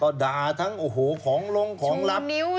ก็ด่าทั้งของลงของลับอะไรต่าง